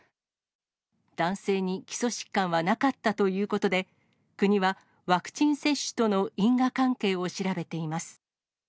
男性に基礎疾患はなかったということで、国は、ワクチン接種との因果関係を調べています。